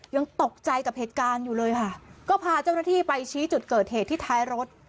ยังตกใจกับเหตุการณ์อยู่เลยค่ะก็พาเจ้าหน้าที่ไปชี้จุดเกิดเหตุที่ท้ายรถ